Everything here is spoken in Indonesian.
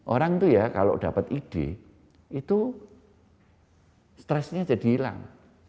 orang itu ya kalau dapat ide itu stresnya jadi hilang